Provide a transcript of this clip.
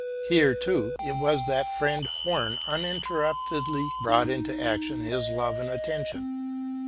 Here, too, it was that friend Horn uninterruptedly brought into action his love and attention.